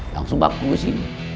langsung baku kesini